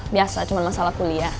biasa cuma masalah kuliah